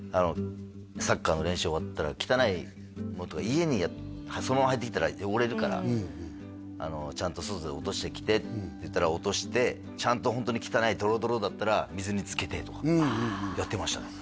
サッカーの練習終わったら汚いものとか家にそのまま入ってきたら汚れるからちゃんと外で落としてきてって言ったら落としてちゃんとホントに汚いドロドロだったら水につけてとかやってましたね